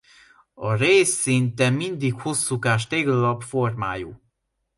A rés szinte mindig hosszúkás téglalap formájú.